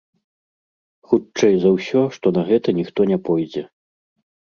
Хутчэй за ўсё, што на гэта ніхто не пойдзе.